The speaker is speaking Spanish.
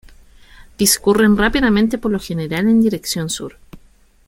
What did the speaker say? Discurren rápidamente por lo general en dirección sur.